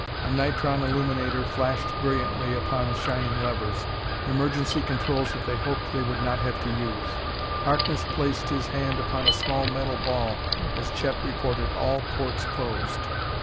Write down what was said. A nitron illuminator flashed brilliantly upon shining levers emergency controls that they hoped they would not have to use. Harkness placed his hand upon a small metal ball as Chet reported all ports closed.